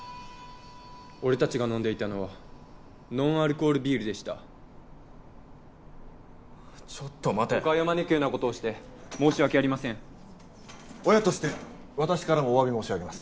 俺達が飲んでいたのはノンアルコールビールでしたちょっと待て誤解を招くようなことをして申し訳ありません親として私からもお詫び申し上げます